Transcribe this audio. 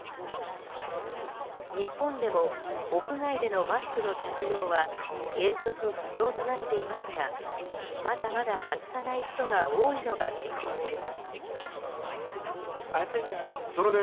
日本でも屋外でのマスクの着用は原則不要となっていますがまだまだ外さない人が多いのが現状です。